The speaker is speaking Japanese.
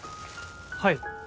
はい。